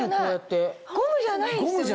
ゴムじゃないですよね？